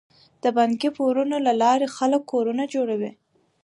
د بانکي پورونو له لارې خلک کورونه جوړوي.